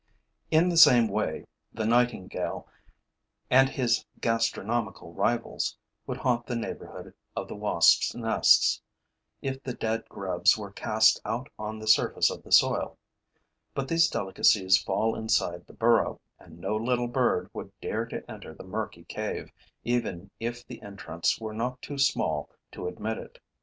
In the same way, the nightingale and his gastronomical rivals would haunt the neighborhood of the wasps' nests, if the dead grubs were cast out on the surface of the soil; but these delicacies fall inside the burrow and no little bird would dare to enter the murky cave, even if the entrance were not too small to admit it.